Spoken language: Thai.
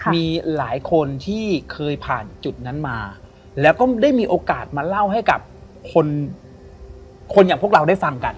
มีหลายคนที่เคยผ่านจุดนั้นมาแล้วก็ได้มีโอกาสมาเล่าให้กับคนคนอย่างพวกเราได้ฟังกัน